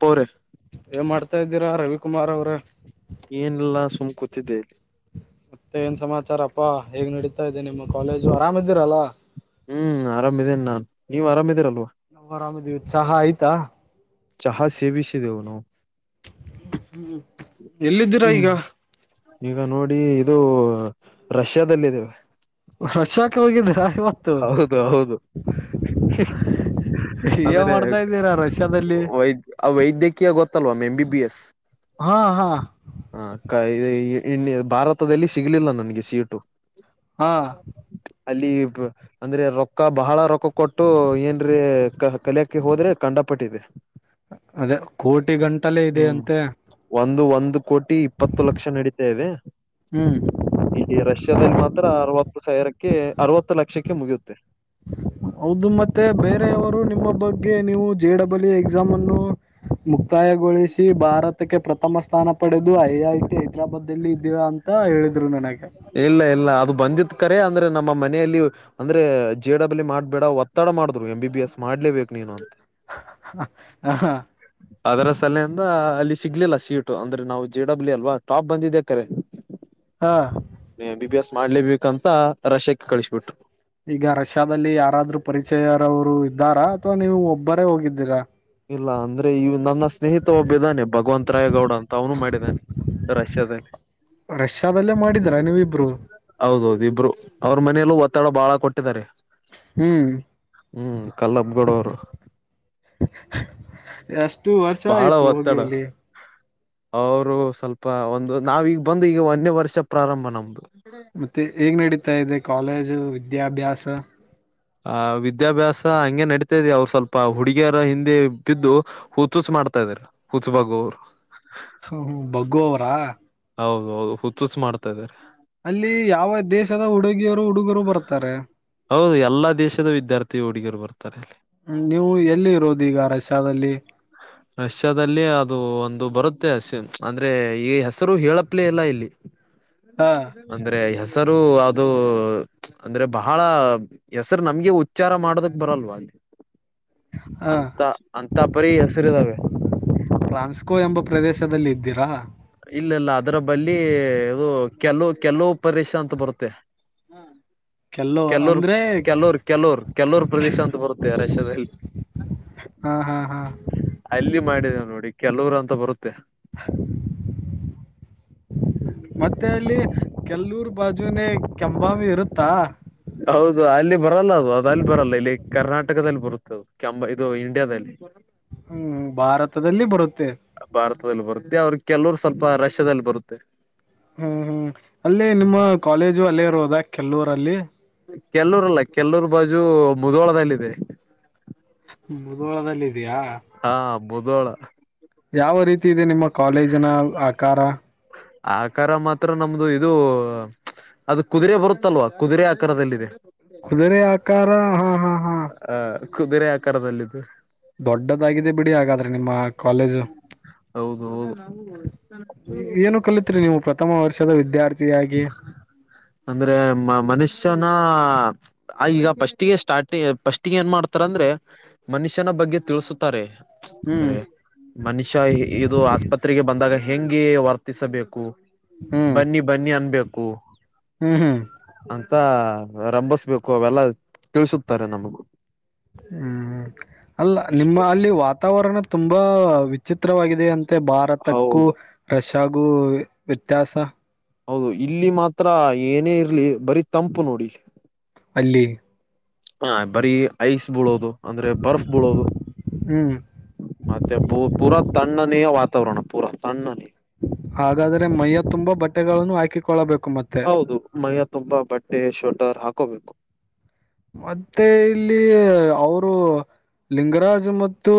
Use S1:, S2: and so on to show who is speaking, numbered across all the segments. S1: ಪೋರ
S2: ಏನ್ ಮಾಡ್ತಾ ಇದ್ದೀರಾ ರವಿಕುಮಾರ್ ಅವ್ರೆ
S1: ಏನೆಲ್ಲಾ ಸುಮ್ಮ ಕೂತಿದ್ದೆ.
S2: ಮತ್ತೆ ಏನ್ ಸಮಾಚಾರಪ್ಪಾ ಹೇಗ ನಡೀತಾ ಇದದೆ ನಿಮ್ಮ ಕಾಲೇಜು ಆರಾಮ ಇದ್ದೀರಲ್ಲ.
S1: ಹ್ಮ ಆರಾಮಿದನ ನಾನ್ ನೀವ ಆರಾಮಿದೀರಲ.
S2: ನಾವು ಆರಾಮ್ ಇದಿವ ಚಹಾ ಆಯ್ತಾ.
S1: ಚಹಾ ಸೇವಿಸಿದವನು. [unintelligible]
S2: ಹೂ ಎಲ್ಲಿದ್ದೀರಾ
S1: ಹ್ಮ್
S2: ಈಗ? [unintelligible]
S1: ಈಗ ನೋಡಿ ಇದು ರಷ್ಯಾದಲ್ಲ ಇದವೆ. [unintelligible]
S2: ರಷ್ಯಾಕ್ಕೆ ಹೋಗಿದ್ದೀರಾ ಹಿ [unintelligible]
S1: ಹೌದು ಹೌದು. [unintelligible]
S2: ಏನ್ ಮಾಡ್ತಾ ಇದ್ದೀರಾ ರಷ್ಯಾದಲ್ಲಿ? [unintelligible]
S1: ಆ ವೈದ್ಯಕೀಯ ಗೊತ್ತಲ್ವ ಮೀಮ್ ಬಿ ಎಸ್. [unintelligible]
S2: ಆ ಆ [unintelligible]
S1: ಹ ಕ ಇದ ಇಂಡಿಯ ಭಾರತದಲ್ಲಿ ಸಿಗಲಿಲ್ಲ ನನಗೆ ಸೀಟು. [unintelligible]
S2: ಹಾ
S1: ಅಲ್ಲಿ ಬ [unintelligible] ಅಂದ್ರೆ ರೊಕ್ಕ ಬಹಳ ರೊಕ್ಕ ಕೊಟ್ಟು ಏನ್ರೀ ಕಹ ಕಲಿಯಕ ಹೋದ್ರೆ ಕಂಡಪಟ್ಟಿದೆ. [unintelligible]
S2: ಅದೇ ಕೋಟಿ ಗಂಟಾಲೇ ಇದೆ
S1: ಹ್ಮ್
S2: ಅಂತೆ? [unintelligible]
S1: ಒಂದು ಒಂದು ಕೋಟಿ ಇಪ್ಪತ್ತು ಲಕ್ಷ ನಡೀತಾ ಇದೆ. [unintelligible]
S2: ಹ್ಮ್
S1: ಈ ರಷ್ಯಾದಲ್ಲಿ ಮಾತ್ರ ಅರವತ್ತು ಸಾವಿರಕ್ಕೆ ಅರವತ್ತು ಲಕ್ಷಕ್ಕೆ ಮುಗಿಯುತ್ತೆ. [unintelligible]
S2: ಹೌದು ಮತ್ತೆ ಬೇರೆಯವರು ನಿಮ್ಮ ಬಗ್ಗೆ ನೀವು ಜೆ ಡಬ್ಲ್ಯೂ ಇ ಎಕ್ಸಾಮ್ ಅನ್ನು [unintelligible] ಮುಕ್ತಾಯಗೊಳಿಸಿ ಭಾರತಕ್ಕೆ ಪ್ರಥಮ ಸ್ಥಾ [unintelligible] ಸ್ಥಾನ ಪಡೆದು ಐ ಐ ಟಿ ಹೈದರಾಬಾದ ಅಲ್ಲಿ ಇದ್ದೀರಾ ಅಂತ ಹೇಳಿದ್ರು ನನಗೆ. [unintelligible]
S1: ಇಲ್ಲ ಇಲ್ಲ ಅದು ಬಂದತ್ತ ಕರೆ ಅಂದ್ರೆ ನಮ್ಮ ಮನೆಯಲ್ಲಿ, [unintelligible] ಅಂದ್ರೆ ಜೆ ಡಬ್ಲ್ಯೂ ಮಾಡಬೇಡಾ ಒತ್ತಡ ಮಾಡದರು ಎಂ ಬಿ ಎಸ್ ಮಾಡಲೇ ಬೇಕು ನೀನು ಅಂತ. [unintelligible]
S2: ಹ ಹ [unintelligible]
S1: ಅದರ ಸಲೆಯಿಂದ ಅಲ್ಲಿ ಸಿಗಲಿಲ್ಲ ಸೀಟು ಅಂದ್ರೆ ನಾವು ಜೆ ಡಬ್ಲ್ಯೂ ಅಲ್ವಾ ಟಾಪ್ ಬಂದಿದೇ ಕರೆ. [unintelligible]
S2: ಹಾ [unintelligible]
S1: ಬಿ ಎಸ್ ಮಾಡಲೇ ಬೇಕಂತ ರಷ್ಯಾಕ್ಕ ಕಳಿಸಬಿಟ್ರು. [unintelligible]
S2: ಈಗ ರಷ್ಯಾದಲ್ಲಿ ಯಾರಾದರೂ ಪರಿಚಯರವರು ಇದ್ದಾರಾ ಅಥವಾ ನೀವು ಒಬ್ಬರೇ ಹೋಗಿದ್ದೀರಾ? [unintelligible]
S1: ಇಲ್ಲ ಅಂದ್ರೆ ಇವ ನನ್ನ ಸ್ನೇಹಿತ ಒಬ್ಬ ಇದ್ದಾನೆ ಭಗವಂತ ರಾಯಗೌಡ ಅಂತ ಅವನು ಮಾಡಿದಾನೆ. [unintelligible] ರಷ್ಯಾದಲ್ಲಿ. [inaudible]
S2: ರಷ್ಯಾದಲ್ಲೇ ಮಾಡಿದೀರಾ ನೀವಿಬ್ರು
S1: ಹೌದ ಹೌದು ಇಬ್ಬರು ಅವರ ಮನೆಯಲ್ಲೂ ಒತ್ತಡ ಬಾಳ ಕೊಟ್ಟಿದ್ದಾರೆ. [unintelligible]
S2: ಹೂ. [unintelligible]
S1: ಹು ಕಲ್ಲಪ್ಪಗೌಡ ಅವರು. [unintelligible]
S2: ಎಸ್ [unintelligible]
S1: ಬಹಾಳ ಒತ್ತಡ. [unintelligible] ಅವರು ಸ್ವಲ್ಪ ಒಂದು ನಾವೀಗ ಬಂದು ಈಗ ಒಂದೇ ವರ್ಷ ಪ್ರಾರಂಭ ನಮ್ದು. [unintelligible]
S2: ಮತ್ತೆ ಹೇಗೆ ನಡೀತಾ ಇದೆ ಕಾಲೇಜು ವಿದ್ಯಾ ಅಭ್ಯಾಸ. [unintelligible]
S1: ಆ ವಿದ್ಯಾ ಅಭ್ಯಾಸ ಹಂಗೆ ನಡತಾದೆ ಅವರ ಸ್ವಲ್ಪ ಹುಡುಗಿಯರ ಹಿಂದೆ ಬಿದ್ದು. [unintelligible] ಹುಚ್ಚುಚ ಮಾಡ್ತಾ ಇದಾರ ಹುಚ್ಚ ಬಾಗ ಅವರು. [unintelligible]
S2: ಹು ಬಗ್ಗು ಅವರಾ? [unintelligible]
S1: ಹೌದ ಹೌದು ಹುಚ್ಚು ಹುಚ್ಚು ಮಾಡ್ತಾ ಇದಾರೆ. [unintelligible]
S2: ಅಲ್ಲಿ ಯಾವ ದೇಶದ ಹುಡುಗಿಯರು ಹುಡುಗರು ಬರ್ತಾರೆ.
S1: ಹೌದು ಎಲ್ಲಾ ದೇಶದ ವಿದ್ಯಾರ್ಥಿ ಹುಡುಗಿಯರು ಬರ್ತಾರೆ ಅಲ್ಲಿ. [unintelligible]
S2: ನಂಗ್ ನೀವು ಎಲ್ಲಿ ಇರೋದು ಈಗ ರಷ್ಯಾದಲ್ಲಿ? [unintelligible]
S1: ರಷ್ಯದಲ್ಲಿ ಅದು ಒಂದು ಬರುತ್ತೆ ಅಸಿ ಅಂದ್ರೆ ಈ ಹೆಸರು ಹೇಳಪ್ಲೇ ಇಲ್ಲ ಇಲ್ಲಿ. [unintelligible]
S2: [unintelligible]
S1: ಅಂದ್ರೆ ಹೆಸರು ಅದು. [unintelligible] ಅಂದ್ರೆ ಬಹಾಳ ಹೆಸರು ನಮಗೆ ಉಚ್ಚಾರ ಮಾಡೋದಕ್ ಬರಲ್ವಾ ಅಲ್ಲಿ. [unintelligible]
S2: ಹ
S1: ಅಂತ ಅಂತ ಪರಿ ಹೆಸರ ಇದಾವೆ. [unintelligible]
S2: ಫ್ಲಾನ್ಸ್ ಕೋ ಎಂಬ ಪ್ರದೇಶದಲ್ಲಿ ಇದ್ದೀರಾ
S1: ಇಲ್ಲಾ ಇಲ್ಲಾ ಅದರ ಬಲ್ಲಿ ಅದು ಕೆಲವು ಕೆಲವು ಪರೇಶ ಅಂತ ಬರುತ್ತೆ
S2: ಕೆಲೋ
S1: ಕೆಲುರ್
S2: ಅಂದ್ರೆ
S1: ಕೆಲುರ್ ಕೆಲುರು ಕೆಲುರ್ ಪ್ರದೇಶ ಅಂತ ಬರುತ್ತೆ ರಷ್ಯಾ ದಲ್ಲಿ
S2: ಹಾ ಹಾ ಹಾ
S1: ಅಲ್ಲಿ ಮಾಡಿದೇವ ನೋಡಿ ಕೆಲವರು ಅಂತು ಬರುತ್ತೆ
S2: [unintelligible] ಮತ್ತೆ ಅಲ್ಲಿ ಕೆಲ್ಲೂರ್ ಬಾಜುನೇ ಕೆಂಬಾಮಿ ಇರತ್ತಾ
S1: ಹೌದು ಅಲ್ಲಿ ಬರಲ್ಲಾ ಅದು ಅದ ಅಲ್ಲಿ ಬರಲ್ಲಾ ಇಲ್ಲಿ ಕರ್ನಾಟಕದಲ್ಲಿ ಬರುತ್ತದು ಕೆಂಬಾ ಇದು ಇಂಡಿಯಾದಲ್ಲಿ
S2: ಹುಂ ಭಾರತದಲ್ಲಿ ಬರುತ್ತೆ
S1: ಭಾರತದಲ್ಲಿ ಬರುತ್ತೆ ಅವ್ರ ಕೆಲವರು ಸ್ವಲ್ಪ ರಷ್ಯಾದಲ್ಲಿ ಬರುತ್ತೆ
S2: ಹುಂ ಹುಂ ಅಲ್ಲಿ ನಿಮ್ಮ ಕಾಲೇಜು ಅಲ್ಲೇರೋದಾ ಕೆಲ್ಲೂರ ಅಲ್ಲಿ
S1: ಕೆಲ್ಲೂರಲ್ಲಾ ಕೆಲ್ಲೂರ್ ಬಾಜು ಮುದೋಳದಲ್ಲಿದೆ
S2: ಮುಧೋಳದಲ್ಲಿ ಇದೇಯಾ
S1: ಹಾ ಮುದೋಳ
S2: ಯಾವ ರೀತಿ ಇದೆ ನಿಮ್ಮ ಕಾಲೇಜಿನ ಆಕಾರಾ
S1: ಆಕಾರ ಮಾತ್ರ ನಮ್ದು ಇದು ಅದು ಕುದುರೆ ಬರುತ್ತಲೋ ಕುದುರೆ ಆಕಾರದಲ್ಲಿದೆ
S2: ಕುದುರೆ ಆಕಾರ ಹಾ ಹಾ ಹಾ
S1: ಆಹ ಕುದುರೆ ಆಕಾರದಲ್ಲಿದೆ
S2: ದೊಡ್ಡದಾಗಿದೆ ಬಿಡಿ ಹಾಗಾದ್ರೆ ನಿಮ್ಮ ಕಾಲೇಜು
S1: ಹೌದು [unintelligible]
S2: [unintelligible] ಪ್ರಥಮ ವರ್ಷದ ವಿದ್ಯಾರ್ಥಿ
S1: ಅಂದ್ರೆ ಮ ಮನುಷ್ಯನ ಆ ಈಗ ಫಸ್ಟ್ ಗೆ ಸ್ಟಾರ್ಟಿ ಫಸ್ಟ್ ಗೆ ಏನ್ ಮಾಡಾತಾರೇ ಅಂದ್ರೆ ಮನುಷ್ಯನ ಬಗ್ಗೆ ತಿಳಸುತ್ತಾರೆ
S2: ಹ್ಮ್
S1: ಅಂದ್ರೆ ಮನುಷ್ಯ ಇದು ಆಸ್ಪತ್ರೆಗೆ ಬಂದಾಗ ಹೆಂಗೆ ವರ್ತಿಸಬೇಕು ಬನ್ನಿ ಬನ್ನಿ ಅನ್ನಬೇಕು
S2: ಹುಂ ಹುಂ
S1: ಅಂತ ರಂಭಸ್ಬೇಕು ಅವೆಲ್ಲಾ ತಿನ್ನಿಸುತ್ತಾರೆ ನಮಗ
S2: ಹುಂ ಅಲ್ಲಾ ನಿಮ್
S1: ಇಷ್ಟು
S2: ಲ್ಲಿ ವಾತಾವರಣ ತುಂಬಾ ವಿಚಿತ್ರವಾಗಿದೆ ಅಂತೆ ಭಾರತಕ್ಕೂ
S1: ಹೌದು
S2: ರಷ್ಯಾಗು ವ್ಯೆತ್ಯಾಸ.
S1: ಹೌದು ಇಲ್ಲಿ ಮಾತ್ರ ಏನೇ ಇರ್ಲಿ ಬರೀ ತಂಪು ನೋಡಿ.
S2: ಅಲ್ಲಿ
S1: ಹಾ ಬರೀ ಐಸ್ ಬೀಳೋದು ಅಂದ್ರೆ ಬರ್ಫ್ ಬೀಳೋದು.
S2: ಹ್ಮ್
S1: ಮತ್ತೆ ಪೂರಾ ತಣ್ಣನೆಯ ವಾತಾವರಣ ಪೂರಾ ತಣ್ಣನ್.
S2: ಹಾಗಾದ್ರೆ ಮೈಯ ತುಂಬಾ ಬಟ್ಟೆಗಳನ್ನು ಹಾಕಿಕೊಳ್ಳಬೇಕು ಮತ್ತೆ
S1: ಹೌದು ಮೈಯ ತುಂಬಾ ಬಟ್ಟೆ ಶೋಟರ್ ಹಾಕೋಬೇಕು.
S2: ಮತ್ತೆ ಇಲ್ಲಿ ಅವರು ಲಿಂಗರಾಜ್ ಮತ್ತು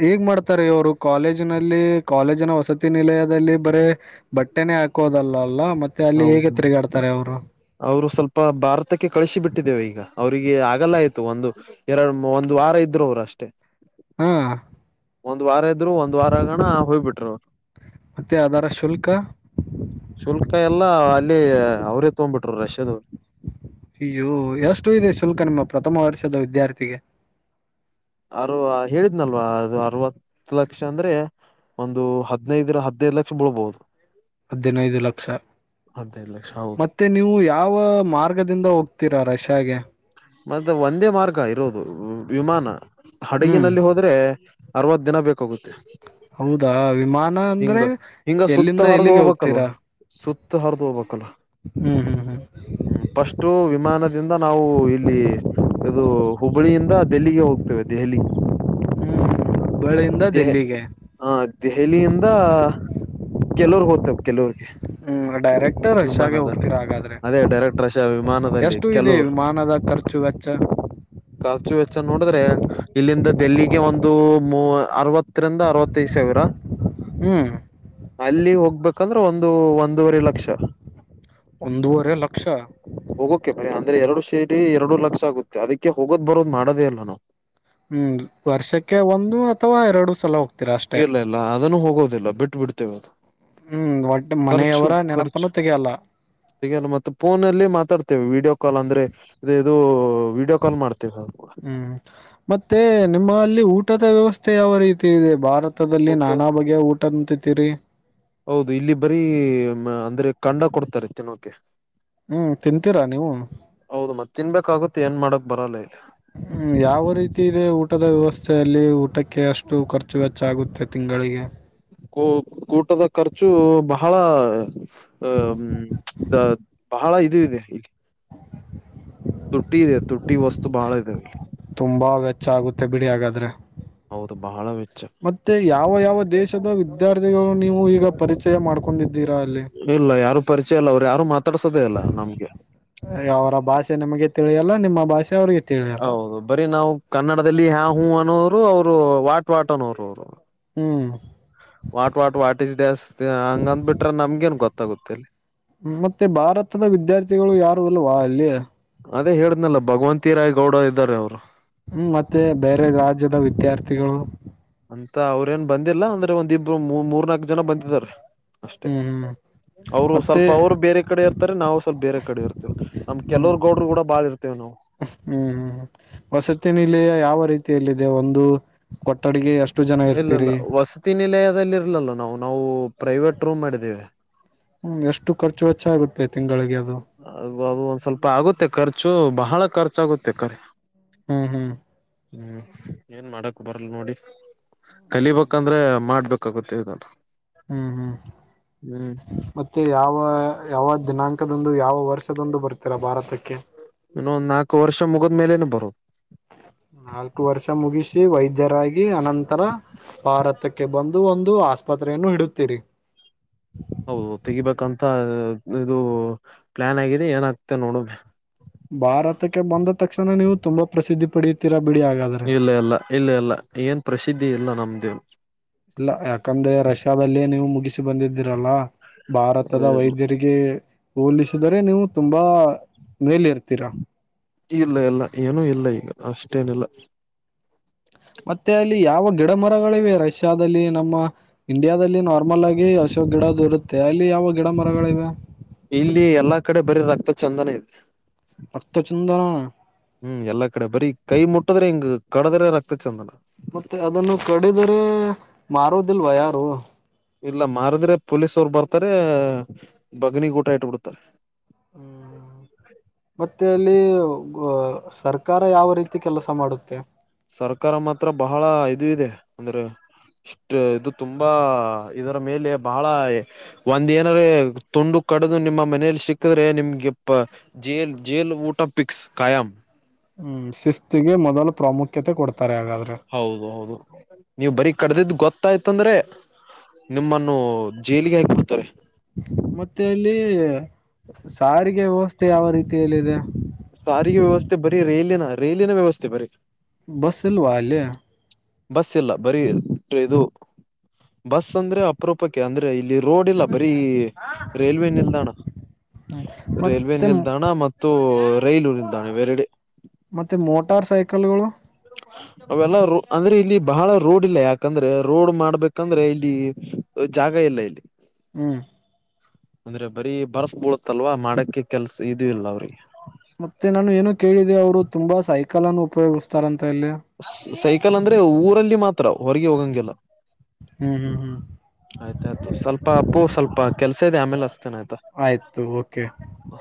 S2: ಹೇಗ್ ಮಾಡ್ತಾರೆ ಇವರು. ಕಾಲೇಜಿನಲ್ಲಿ ಕಾಲೇಜಿನ ವಸತಿ ನಿಲಯದಲ್ಲಿ ಬರೀ ಬಟ್ಟೆನೆೇ ಹಾಕೋದಲ್ಲಾ ಅಲ್ಲಾ ಮತ್ ಮತೇ ಅಲ್ಲಿ ಹೇಗೆ
S1: ಹೌದು
S2: ತಿರಿಗಾಡ್ತಾರೆ ಅವರು.
S1: ಅವರು ಸ್ವಲ್ಪ ಭಾರತಕ್ಕೆ ಕಳಿಸಿ ಬಿಟ್ಟಿದ್ದೇವೆ ಈಗ ಅವರಿಗೆ ಆಗಲ್ಲ ಆಯ್ತು ಒಂದು. ಎರಡು ಒಂದ್ ವಾರ ಇದ್ರು ಅವರು ಅಷ್ಟೇ.
S2: ಹಾ
S1: ಒಂದ್ ವಾರ ಇದ್ರು, ಒಂದ್ ವಾರಗಣ ಹೋಗ್ಬಿಟ್ರು.
S2: ಮತ್ತೆ ಅದರ ಶುಲ್ಕ.
S1: ಶುಲ್ಕ ಎಲ್ಲಾ ಅಲ್ಲಿ ಅವ್ರೇ ತಗೊಂಬ್ಬಿಟ್ರು ರಷ್ಯದವ್ರು.
S2: ಅಯ್ಯೋ ಎಷ್ಟು ಇದೆ ಶುಲ್ಕ ನಿಮ್ಮ ಪ್ರಥಮ ವರ್ಷದ ವಿದ್ಯಾರ್ಥಿಗೆ.
S1: ಅರು ಹೇಳಿದ್ನಲ್ವಾ ಅದು ಅರ್ವತ್ತ್ ಲಕ್ಷ ಅಂದ್ರೆ ಒಂದು ಹದಿನೈದ್ರ ಹದಿನೈದ್ ಲಕ್ಷ ಬಿಲ್ಬೋದು.
S2: ಹದಿನೈದು ಲಕ್ಷ, ಮತ್
S1: ಹದ್ನೈದು ಲಕ್ಷ ಹೌದು
S2: ಮತ್ತೆ ನೀವು ಯಾವ ಮಾರ್ಗದಿಂದ ಹೋಗ್ತೀರಾ ರಷ್ಯಾಗೆ?
S1: ಮತ್ತೆ ಒಂದೇ ಮಾರ್ಗ ಇರೋದು ವಿಮಾನ
S2: ಹ್ಮ್
S1: ಹಡಗಿನಲ್ಲಿ ಹೋದ್ರೆ. ಅರ್ವತ್ ದಿನ ಬೇಕಾಗುತ್ತೆ.
S2: ಹೌದಾ ವಿಮಾನ ಅಂದ್ರೆ
S1: ಹಿಂಗ
S2: ಎಲ್ಲಿಂದ ಎಲ್ಲಿಗೆ ಹೋಗ್ತೀರಾ?
S1: ಸುತ್ತು ಅರ್ದು ಹೋಗ್ಬೇಕಲ.
S2: ಹ್ಮ್ ಹ್ಮ್ ಹ್ಮ್
S1: ಹ್ಮ್ ಫಸ್ಟು ವಿಮಾನದಿಂದ ನಾವು ಇಲ್ಲಿ ಇ ಇದು ಹುಬ್ಬಳ್ಳಿಯಿಂದ ಡೆಲ್ಲಿಗೆ ಹೋಗ್ತೇವೆ ದೆಹಲಿ.
S2: ಹುಬ್ಬಳಿಯಿಂದ ದೆಲ್ಲಿಗೆ
S1: ಹಾ ದೆಹಲಿಯಿಂದ, ಕೆಲೂರ್ಗ್ ಹೋಗ್ತೇವೆ ಕೆಲೂರ್ಗೆ.
S2: ಹ್ಮ್ ಡೈರೆಕ್ಟು ರಷ್ಯಾಗೆ ಹೋಗ್ತಿರ ಹಾಗಾದ್ರೆ,
S1: ಅದೇ ಡೈರೆಕ್ಟ್ ರಶ ವಿಮಾನದಲ್ಲಿ
S2: ಎಷ್ಟು ಇದೆ
S1: ಕೆಲವರು
S2: ವಿಮಾನದ ಖರ್ಚ್ ಖರ್ಚು ವೆಚ್ಚ.
S1: ಖರ್ಚು ವೆಚ್ಚ ನೋಡಿದ್ರೆ ಇಲ್ಲಿಂದ ದೆಲ್ಲಿಗೆ ಒಂದು ಮೂ ಅರ್ವತ್ತರಿಂದ ಅರ್ವತ್ತೈದು ಸಾವಿರ.
S2: ಹ್ಮ
S1: ಅಲ್ಲಿ ಹೋಗ್ಬೇಕಂದ್ರೆ ಒಂದು ಒಂದೂವರೆ ಲಕ್ಷ.
S2: ಒಂದೂವರೆ ಲಕ್ಷ
S1: ಹೋಗೋಕೆ ಬರ ಅಂದ್ರೆ ಎರ್ಡು ಸೇರಿ ಎರಡು ಲಕ್ಷ ಆಗುತ್ತೆ ಅದಿಕ್ಕೆ ಹೋಗೋದ್ ಬರೋದ್ ಮಾಡೋದೇ ಇಲ್ಲ ನಾವು.
S2: ಹ್ಮ್ ವರ್ಷಕ್ಕೆ ಒಂದು ಅಥವಾ ಎರಡು ಸಲ ಹೋಗ್ತ್.
S1: ಇಲ್ಲ ಇಲ್ಲ ಅದುನು ಹೋಗೋದಿಲ್ಲ ಬಿಟ್ ಬಿಡ್ತೇವೆ ಅದು.
S2: ಹ್ಮ್ ಒಟ್ಟು ಮನೆಯವರ ನೆನ್ಪನು ತೆಗಿಯಲ್ಲ.
S1: ಈಗೇನು ಮತ್ ಫೋನಲ್ಲಿ ಮಾತಾಡ್ತಿವಿ ವಿಡಿಯೋ ಕಾಲ್ ಅಂದ್ರೆ. ಅದೆ ಇದು ವಿಡಿಯೋ ಕಾಲ್ ಮಾಡ್ತೇವೆ.
S2: ಹ್ಮ್ ಮತ್ತೆ ನಿಮ್ಮ ಅಲ್ಲಿ ಊಟದ ವ್ಯವಸ್ಥೆ ಯಾವ ರೀತಿ ಇದೆ ಭಾರತ್ ಭಾರತದಲ್ಲಿ
S1: ಊಟ
S2: ನಾನಾ ಬಗೆಯ ಊಟ ಉಂತಿತಿರಿ.
S1: ಹೌದು ಇಲ್ಲಿ ಬರೀ ಅಂದ್ರೆ ಕಂಡ ಕೊಡ್ತರೆ ತಿನ್ನೋಕೆ.
S2: ಹ್ಮ್ ತಿಂತೀರಾ ನೀವು
S1: ಹೌದು ಮತ್ ತಿನ್ಬೇಕಾಗುತ್ತೆ ಏನ್ ಮಾಡಕ್ ಬರಲ್ಲ ಇಲ್ಲಿ.
S2: ಹ್ಮ ಯಾವ ರೀತಿ ಇದೆ ಊಟದ ವ್ಯವಸ್ಥೆ ಅಲ್ಲಿ ಊಟಕ್ಕೆ ಅಷ್ಟು ಖರ್ಚು ವೆಚ್ಚ ಆಗುತ್ತೆ ತಿಂಗಳಿಗೆ.
S1: ಕೊ ಊಟದ ಖರ್ಚು ಬಹಳ ಆ ಹ್ಮ ಬಹಳ ಇದು ಇದೆ ಇಲ್ಲಿ. ತುಟ್ಟಿ ಇದೆ ತುಟ್ಟಿ ವಸ್ತು ಬಾಳ ಇದೆ ಅಲ್ಲಿ.
S2: ತುಂಬಾ ವೆಚ್ಚ ಆಗುತ್ತೆ ಬಿಡಿ ಹಾಗಾದ್ರೆ
S1: ಹೌದು ಬಹಳ ವ
S2: ಮತ್ತೆ ಯಾವ ಯಾವ ದೇಶದ ವಿದ್ಯಾರ್ಥಿಗಳು ನೀವು ಈಗ ಪರಿಚಯ ಮಾಡ್ಕೊಂಡಿದ್ದೀರಾ ಅಲ್ಲಿ?
S1: ಇಲ್ಲ ಯಾರು ಪರಿಚಯ ಇಲ್ಲ ಅವ್ರ್ ಯಾರು ಮಾತಾಡ್ಸೋದೆೇ ಇಲ್ಲ ನಮ್ಗೆ.
S2: ಅವರ ಭಾಷೆ ನಿಮ್ಗೆ ತಿಳಿಯಲ್ಲ ನಿಮ್ಮ ಭಾಷೆ ಅವ್ರಿಗೆ
S1: ಹೌದು ಬರೀ ನಾವು ಕನ್ನಡದಲ್ಲಿ ಹಾ ಹೂ ಅನ್ನೋರು, ಅವ್ರು ವಾಟ್ ವಾಟ್ ಅನ್ನೋರು ಅವ್ರು.
S2: ಹ್ಮ್
S1: ವಾಟ್ ವಾಟ್ ವಾಟ್ ಈಸ್ ದೆಸ್ತ್ ಹಂಗಂದ್ ಬಿಟ್ರೆ ನಮ್ಗೇನ್ ಗೊತ್ತಾಗುತ್ತೆ ಅಲ್ಲಿ.
S2: ಮತ್ತೆ ಭಾರತದ ವಿದ್ಯಾರ್ಥಿಗಳು ಯಾರು ಇಲ್ವಾ ಅಲ್ಲಿ?
S1: ಅದೇ ಹೇಳಿದ್ನಲ್ಲ ಭಗವಂತಿ ರಾಯ್ ಗೌಡ ಇದ್ದಾರೆ ಅವ್ರು.
S2: ಹುಂ ಮತ್ತೆ ಬೇರೆ ರಾಜ್ಯದ ವಿದ್ಯಾರ್ಥಿಗಳು.
S1: ಅಂತ ಅವರೇನ್ ಬಂದಿಲ್ಲ ಅಂದ್ರೆ ಒಂದಿಬ್ರು ಮೂರು ಮೂರ್ನಾಕ್ ಜನ ಬಂದಿದ್ದಾರೆ, ಅಷ್ಟೆ.
S2: ಹ್ಮ್ ಹ್ಮ್
S1: ಅವ್ರು
S2: ಮತ್ತೆ
S1: ಸ್ವಲ್ಪ ಅವ್ರು ಬೇರೆ ಕಡೆ ಇರ್ತಾರೆ ನಾವು ಸ್ವಲ್ಪ ಬೇರೆ ಕಡೆ ಇರ್ತೇವಿ. ನಮ್ಮ ಕೆಲೂರ್ ಗೌಡ್ರ ಕೂಡ ಬಾಳ್ ಇರ್ತೇವ ನಾವು.
S2: ಹುಂ ಹುಂ ವಸತಿ ನಿಲಯ ಯಾವ ರೀತಿಯಲ್ಲಿದೆ ಒಂದು ಕೊಟ್ಟಡಿಗೆ ಎಷ್ಟು ಜನಾ
S1: ಇಲ್ಲಿಲ್ಲ ವಸತಿ ನಿಲಯದಲ್ಲಿ ಇರ್ಲಿಲ್ಲಲ್ಲ ನಾವು ನಾವು ಪ್ರೈವೇಟ್ ರೂಮ್ ಮಾಡಿದ್ದೇವೆ.
S2: ಹ್ ಎಷ್ಟು ಖರ್ಚು ವೆಚ್ಚ ಆಗುತ್ತೆ ತಿಂಗಳಿಗೆ ಅದು.
S1: ಅ ಅದು ಒಂದ್ ಸ್ವಲ್ಪ ಆಗುತ್ತೆ ಖರ್ಚು ಬಹಳ ಖರ್ಚಾಗುತ್ತೆ ಕರೆ.
S2: ಹುಂ ಹುಂ
S1: ಹ್ಮ ಏನ್ ಮಾಡಕ್ ಬರಲ್ ನೋಡಿ ಕಲೀಬೇಕಂದ್ರೆ ಮಾಡ್ಬೇಕಾಗತ್ತೆ ಇದೆಲ್ಲ,
S2: ಹ್ಮ್ ಹ್ಮ್
S1: ಹ್ಮ್.
S2: ಮತ್ತೆ ಯಾವ ಯಾವ ದಿನಾಂಕದಂದು ಯಾವ ವರ್ಷದಂದು ಬರ್ತೀರಾ ಭಾರತಕ್ಕೆ?
S1: ಇನ್ನೊಂದ್ ನಾಲ್ಕು ವರ್ಷ ಮುಗದ್ ಮೇಲೆನೆ ಬರೋದು.
S2: ನಾಲ್ಕು ವರ್ಷ ಮುಗಿಸಿ ವೈದ್ಯರಾಗಿ ಅನಂತರ ಭಾರತಕ್ಕೆ ಕೆ ಬಂದು ಒಂದು ಆಸ್ಪತ್ರೆಯನ್ನು ಇಡುತ್ತೀರಿ.
S1: ಹೌದು ತೆಗಿಬೇಕಂತ ಇ ಇದು ಪ್ಲಾನ್ ಆಗಿದೆ ಏನಾಗ್ತ ನೋಡುನು
S2: ಭಾರತಕ್ಕೆ ಬಂದ ತಕ್ಷಣ ನೀವು ತುಂಬಾ ಪ್ರಸಿದ್ಧಿ ಪಡಿತೀರಾ ಬಿಡಿ ಹಾಗಾದ
S1: ಇಲ್ಲ ಇಲ್ಲ ಇಲ್ಲ ಇಲ್ಲ ಏನ್ ಪ್ರಸಿದ್ಧಿ ಇಲ್ಲ ನಮ್ದೇವ್
S2: ಇಲ್ಲಾ ಯಾಕಂದ್ರೆ ರಷ್ಯಾದಲ್ಲಿ ನೀವು ಮುಗಿಸಿ ಬಂದಿದ್ದೀರಲ್ಲಾ ಭಾರತದ ವೈದ್ಯರಿಗೆ ಗೆ ಹೋಲಿಸಿದರೆ ನೀವು ತುಂಬಾ ಮೇಲೆ ಇರ್ತೀರಾ.
S1: ಇಲ್ಲಾ ಇಲ್ಲಾ ಏನೂ ಇಲ್ಲಾ ಈಗ ಅಷ್ಟೇನಿಲ್ಲಾ.
S2: ಮತ್ತೆ ಅಲ್ಲಿ ಯಾವ ಗಿಡ ಮರಗಳಿವೆ ರಷ್ಯಾದಲ್ಲಿ ನಮ್ಮ ಇಂಡಿಯಾದಲ್ಲಿ ನಾರ್ಮಲ್ ಆಗಿ ಅಶೋಕ್ ಗಿಡದು ಇರುತ್ತೆ ಅಲ್ಲಿ ಯಾವ ಗಿಡ ಮರಗಳಿವೆ?
S1: ಇಲ್ಲಿ ಎಲ್ಲಾ ಕಡೆ ಬರೀ ರಕ್ತ ಚಂದನ ಐತಿ
S2: ರಕ್ತ ಚೆಂದನ
S1: ಹುಂ ಎಲ್ಲಾ ಕಡೆ ಬರೀ ಕೈ ಮುಟ್ಟದ್ರೆ ಹಿಂಗ ಕಡದ್ರೆ ರಕ್ತ ಚಂದನ.
S2: ಮತ್ತೆ ಅದನ್ನು ಕಡಿದರೆ ಮಾರೋದಿಲ್ವ ಯಾರು
S1: ಇಲ್ಲಾ ಮಾರಿದ್ರೆ ಪೊಲೀಸ್ ಅವರು ಬರ್ತಾರೆ ಬಗ್ನಿ ಗೂಟ್ಟಾ ಇಟ್ಬಿಡ್ತಾರೆ [unintelligible]
S2: ಮತ್ತೆ ಅಲ್ಲಿ ಗೊ ಸರ್ಕಾರ ಯಾವ ರೀತಿ ಕೆಲಸ ಮಾಡುತ್ತೆ?
S1: ಸರ್ಕಾರ ಮಾತ್ರ ಬಹಳ ಇದು ಇದೆ ಅಂದ್ರೆ ಇಷ್ಟ್ ಇದು ತುಂಬಾ ಇದರ ಮೇಲೆ ಬಹಳಾ ಒಂದ್ ಏನಾರೆ ತುಂಡು ಕಡದು ನಿಮ್ಮ ಮನೇಲಿ ಸಿಕ್ಕಿದ್ರೆ ನಿಮ್ಗೆ ಪ ಜೇಲ್ ಜೇಲ್ ಊಟ ಪಿಕ್ಸ್ ಖಾಯಂ.
S2: ಹ್ಮ್ ಶಿಸ್ತಿಗೆ ಮೊದಲು ಪ್ರಾಮುಖ್ಯತೆ ಕೊಡ್ತಾರೆ ಹಾಗಾದ್ರೆ.
S1: ಹೌದ ಹೌದು. ನೀವು ಬರೀ ಕಡ್ದಿದ ಗೊತ್ತಾಯ್ತಂದ್ರೆ ನಿಮ್ಮನ್ನು ಜೈಲಿಗೆ ಹಾಕ್ಬಿಡ್ತಾರೆ.
S2: ಮತ್ತೆ ಅಲ್ಲಿ ಸಾರಿಗೆ ವ್ಯವಸ್ಥೆ ಯಾವ ರೀತಿಯಲ್ಲಿದೆ?
S1: ಸಾರಿಗೆ ವ್ಯವಸ್ಥೆ ಬರೀ ರೈಲಿನ ರೈಲಿನ ವ್ಯವಸ್ಥೆ ಬರೀ.
S2: ಬಸ್ಸಿಲ್ವಾ ಅಲ್ಲಿ?
S1: ಬಸ್ ಇಲ್ಲಾ ಬರೀ ಟ್ರೆ ಇದು ಬಸ್ ಅಂದ್ರೆ ಅಪರೂಪಕ್ಕೆ ಅಂದ್ರೆ ಇಲ್ಲಿ ರೋಡ್ ಇಲ್ಲ ಬರೀ ರೈಲ್ವೇ ನಿಲ್ದಾಣ ರೈಲ್ವೆ
S2: ಮತ್ತೆ
S1: ನಿಲ್ದಾಣ ಮ ತ್ತು ರೈಲು ನಿಲ್ದಾಣ ಇವೆರಡೆ
S2: ಮತ್ತೆ ಮೋಟಾರ್ ಸೈಕಲ್ಗಳು
S1: [inaudible] ಅವೆಲ್ಲ ರೋ ಅಂದ್ರೆ ಇಲ್ಲಿ ಬಹಳ ರೋಡ್ ಇಲ್ಲ ಯಾಕಂದ್ರೆ ರೋಡ್ ಮಾಡ್ಬೇಕಂದ್ರೆ ಇಲ್ಲಿ ಜಾಗ ಇಲ್ಲ ಇಲ್ಲಿ
S2: ಹ್ಮ.
S1: ಅಂದ್ರ ಬರೀ ಬರ್ಪ ಬೀಳತ್ತ ಅಲ್ವಾ ಮಾಡಕ್ಕೆ ಕೆಲ್ಸ ಇದೂ ಇಲ್ಲ ಅವ್ರಿಗೆ
S2: ಮತ್ತೆ ನಾನು ಏನು ಕೇಳಿದೆ ಅವರು ತುಂಬಾ ಸೈಕಲ್ ಅನ್ನು ಉಪಯೋಗಿಸ್ತಾರಂತ ಇಲ್ಲಿ.
S1: ಸೈಕಲ್ ಅಂದ್ರೆ ಊರಲ್ಲಿ ಮಾತ್ರ ಹೊರಗೆ ಹೋಗಂಗಲ್ಲ.
S2: ಹ್ಮ ಹ್ಮ
S1: ಆಯ್ತಾಯ್ತು ಸ್ವಲ್ಪ ಅಪ್ಪು ಸ್ವಲ್ಪ ಕೆಲ್ಸ ಇದೆ ಆಮೇಲ ಹಚ್ಚತಿನಿ ಆಯ್ತಾ.
S2: ಆಯ್ತು ಓಕೆ.
S1: ಹ